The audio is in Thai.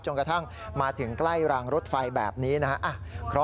กระทั่งมาถึงใกล้รางรถไฟแบบนี้นะครับ